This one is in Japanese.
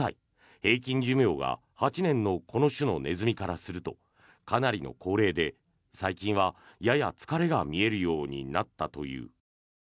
平均寿命が８年のこの種のネズミからするとかなりの高齢で最近はやや疲れが見えるようになったという。